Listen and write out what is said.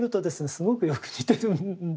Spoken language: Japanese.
すごくよく似てるんです。